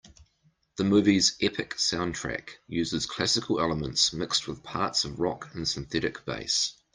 The movie's epic soundtrack uses classical elements mixed with parts of rock and synthetic bass.